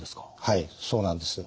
はいそうなんです。